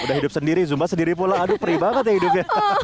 udah hidup sendiri zumba sendiri pula aduh pribadi ya hidupnya